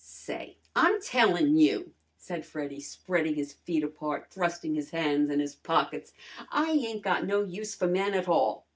"Say, I'm telln' you!" said Freddy, spreading his feet apart, thrusting his hands in his pockets. "I ain't got no use for men a tall!